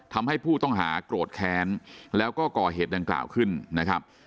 ทำให้ผู้ต้องหาโกรธแค้นแล้วก็ก่อเหตุดังกล่าวขึ้นนะครับ